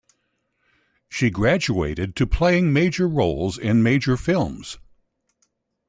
She graduated to playing major roles in major films.